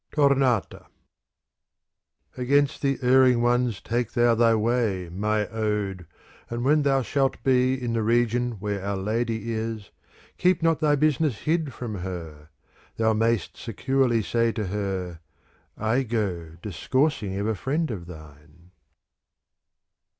Tomata Against the erring ones take thou thy way, my ode, and when thou shalt be in the region where our lady is, keep not thy business hid from her : thou may'st securely say to her :* I go discoursing of a friend of thine.'